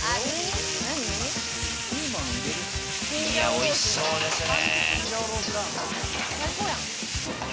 おいしそうですね！